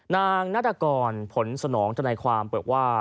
นาฏกรผลสนองทนายความบอกว่า